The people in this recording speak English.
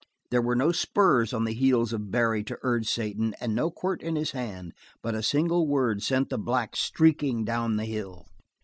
There were no spurs on the heels of Barry to urge Satan, and no quirt in his hand, but a single word sent the black streaking down the hill.